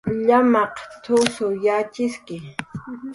"Llamaq uyuwaq t""usw yatxiski"